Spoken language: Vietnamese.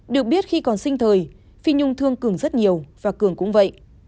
được biết khi còn sinh thời phi nhung thương cường rất nhiều và cường cũng vậy